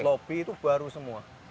lobby itu baru semua